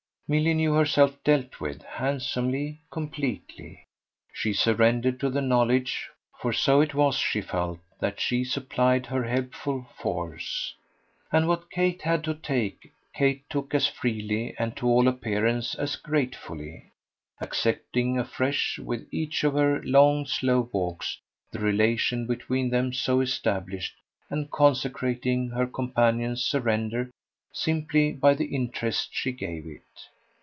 Milly knew herself dealt with handsomely, completely: she surrendered to the knowledge, for so it was, she felt, that she supplied her helpful force. And what Kate had to take Kate took as freely and to all appearance as gratefully; accepting afresh, with each of her long, slow walks, the relation between them so established and consecrating her companion's surrender simply by the interest she gave it.